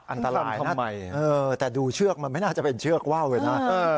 อันตรายนะแต่ดูเชือกมันไม่น่าจะเป็นเชือกว่าวเลยนะ